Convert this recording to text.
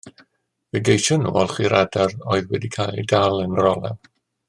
Fe geision nhw olchi'r adar oedd wedi cael eu dal yn yr olew.